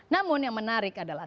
namun yang menarik adalah